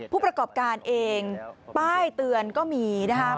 ผู้ประกอบการเองป้ายเตือนก็มีนะครับ